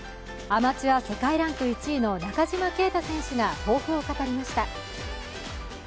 アマチュア世界ランク１位の中島啓太選手が抱負を語りました。